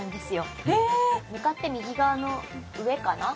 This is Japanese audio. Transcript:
向かって右側の上かな。